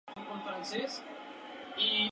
La entrada principal tenía nueve bayas y un pórtico.